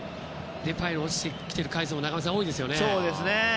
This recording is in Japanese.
デパイが落ちてくる回数も多いですよね。